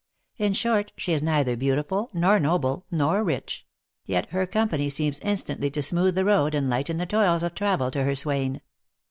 In short, she is neither beautiful, nor noble, nor rich ; yet her company seems instantly to smooth the road and lighten the toils of travel to her swain.